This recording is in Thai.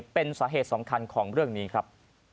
เป็นสาเหตุสำคัญของเรื่องนี้ครับ